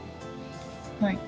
はい。